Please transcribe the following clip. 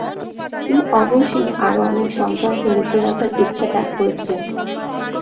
তিনি অবশ্যই আরও অনেক সন্তানকে লুকিয়ে রাখার ইচ্ছা ত্যাগ করেছিলেন।